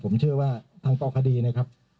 ผมเชื่อว่าทางต่อคดีนะครับ